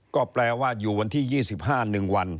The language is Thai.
ก็แปลว่าอยู่วันที่๒๕๑วัน